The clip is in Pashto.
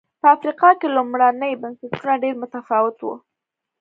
په افریقا کې لومړني بنسټونه ډېر متفاوت و.